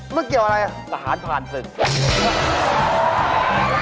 มันเกี่ยวอะไรสหารผ่านสึก